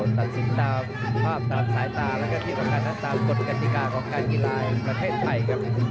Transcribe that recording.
ตัดสินตามภาพตามสายตาแล้วก็ที่สำคัญนั้นตามกฎกติกาของการกีฬาแห่งประเทศไทยครับ